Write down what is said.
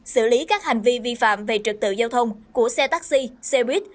xử lý các hành vi vi phạm về trực tự giao thông của xe taxi xe buýt